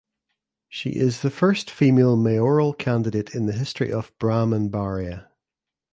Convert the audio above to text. She is the first female mayoral candidate in the history of Brahmanbaria.